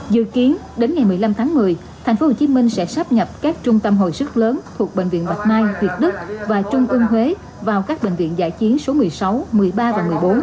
dự kiến đến ngày một mươi năm tháng một mươi tp hcm sẽ sắp nhập các trung tâm hồi sức lớn thuộc bệnh viện bạch mai việt đức và trung ương huế vào các bệnh viện giải chiến số một mươi sáu một mươi ba và một mươi bốn